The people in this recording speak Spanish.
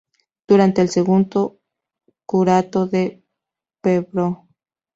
Durante el segundo curato del Pbro.